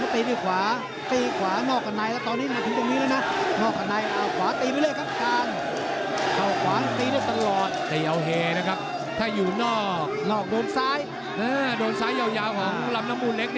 ติดภังไปนิดคุณครับขยัมน้ำมะมูลเล็ก